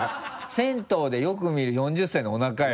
銭湯でよく見る４０歳のおなかよ。